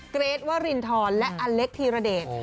เกรทวรินทรและอเล็กธีรเดช